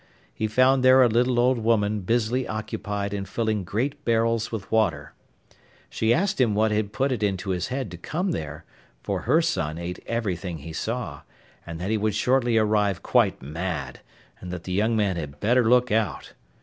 He found there a little old woman busily occupied in filling great barrels with water. She asked him what had put it into his head to come there, for her son ate everything he saw, and that he would shortly arrive quite mad, and that the young man had better look out.